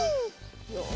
よし。